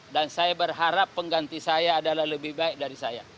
dan saya berharap pengganti saya adalah lebih baik dari saya